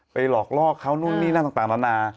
หลอกลอกเขานู่นนี่นั่นต่างนานา